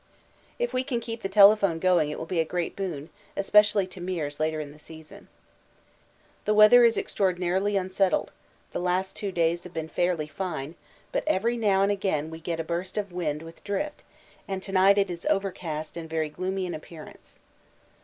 If we can keep the telephone going it will be a great boon, especially to Meares later in the season. The weather is extraordinarily unsettled; the last two days have been fairly fine, but every now and again we get a burst of wind with drift, and to night it is overcast and very gloomy in appearance.